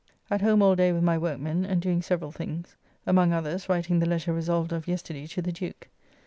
At home all day with my workmen, and doing several things, among others writing the letter resolved of yesterday to the Duke.